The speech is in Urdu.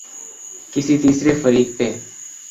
کسی تیسرے فریق پہ۔